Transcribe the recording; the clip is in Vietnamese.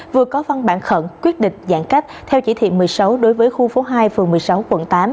vừa có văn bản khẩn quyết định giãn cách theo chỉ thị một mươi sáu đối với khu phố hai phường một mươi sáu quận tám